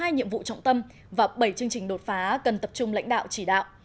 một mươi nhiệm vụ trọng tâm và bảy chương trình đột phá cần tập trung lãnh đạo chỉ đạo